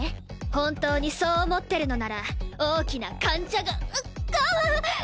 本当にそう思ってるのなら大きなかんちゃがうっああ！